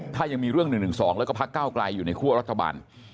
ถ้ายังมีเรื่อง๑๑๒แล้วก็พักเก้าไกลอยู่ในคั่วรัฐบาล